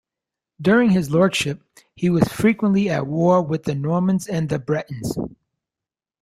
During his lordship, he was frequently at war with the Normans and the Bretons.